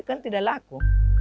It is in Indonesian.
kan tidak laku